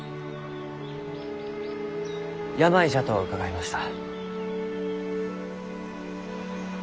病じゃと伺いました。